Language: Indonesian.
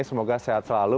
semoga sehat selalu